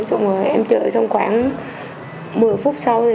xong rồi em chơi xong khoảng một mươi phút sau thì